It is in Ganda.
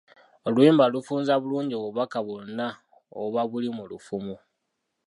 Oluyimba lufunza bulungi obubaka bwonna obuba buli mu lufumo.